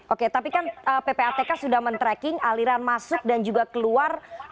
oke tapi kan ppatk sudah men tracking aliran masuk dan juga keluar